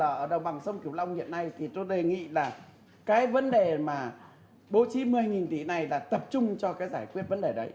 là cái nguy cơ sạt lở ở đồng bằng sông kiểu long hiện nay thì tôi đề nghị là cái vấn đề mà bố trí một mươi tỷ này là tập trung cho cái giải quyết vấn đề đấy